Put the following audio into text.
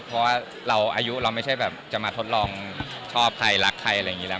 เพราะว่าเราอายุเราไม่ใช่แบบจะมาทดลองชอบใครรักใครอะไรอย่างนี้แล้ว